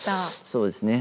そうです。